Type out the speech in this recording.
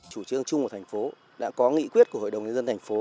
thủ đô thành phố đã có nghị quyết của hội đồng nhân dân thành phố